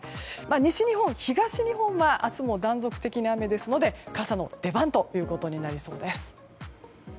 西日本、東日本は明日も断続的に雨ですので傘の出番ということになりそうです。